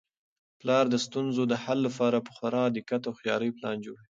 پلار د ستونزو د حل لپاره په خورا دقت او هوښیارۍ پلان جوړوي.